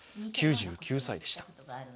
９９歳でした。